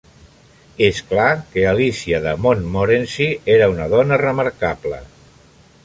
És clar que Alícia de Montmorency era una dona remarcable.